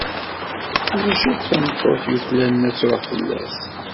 Ulac akk tameṭṭut yuklalen ad truḍ fell-as.